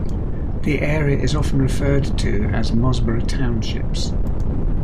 The area is often referred to as Mosborough Townships.